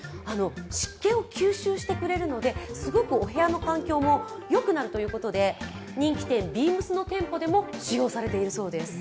湿気を吸収してくれるので、すごく、お部屋の環境もよくなるということで人気店・ＢＥＡＭＳの店舗でも使用されているようなんです。